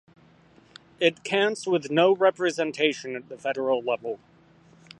It counts with no representation at the federal level.